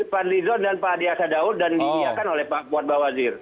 fadlizon dan pak adiasa daud dan diingatkan oleh pak buat bawajir